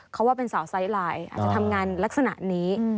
เขาว่าเป็นสาวไซส์ไลน์อาจจะทำงานลักษณะนี้